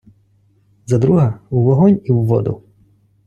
За друга — у вогонь і в воду!